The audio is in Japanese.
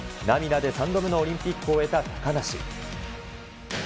涙で３度目のオリンピックを終えた高梨。